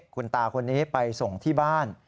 คุณตาคนนี้ไปส่งที่บ้าน